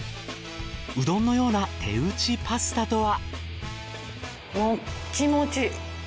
うどんのような手打ちパスタとは？